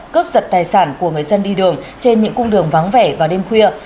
cướp giật tài sản của người dân đi đường trên những cung đường vắng vẻ vào đêm khuya